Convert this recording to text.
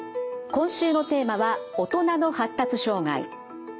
今週のテーマは大人の発達障害。